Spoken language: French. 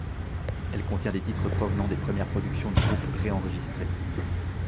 Elle contient des titres provenant des premières productions du groupe ré-enregistrés.